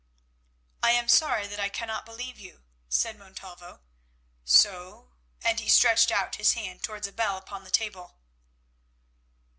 "I am sorry that I cannot believe you," said Montalvo, "so"—and he stretched out his hand towards a bell upon the table.